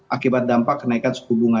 akibat dampak kenaikan suku bunga